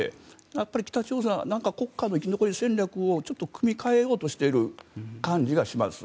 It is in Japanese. やっぱり北朝鮮は国家の生き残り戦略を組み替えようとしている感じがします。